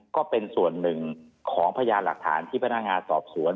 ก็เป็นส่วนหนึ่งของพยานหลักฐานที่พนักงานสอบสวน